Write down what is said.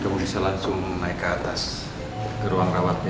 cepet semua ya re